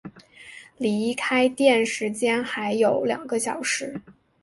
离开店时间还有两个小时